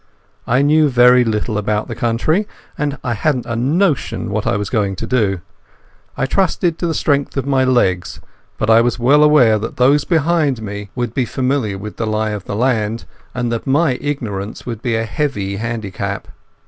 I knew very little about the country, and I hadn't a notion what I was going to do. I trusted to the strength of my legs, but I was well aware that those behind me would be familiar with the lie of the land, and that my ignorance would be a heavy handicap.